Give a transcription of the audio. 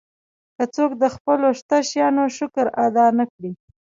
که څوک د خپلو شته شیانو شکر ادا نه کړي.